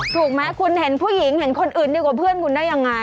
ถูกไหมคุณเห็นผู้หญิงเห็นคนอื่นดีกว่าเพื่อนคุณได้ยังไง